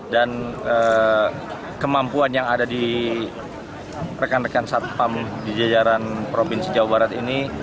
dan kemampuan yang ada di rekan rekan satpam di jajaran provinsi jawa barat ini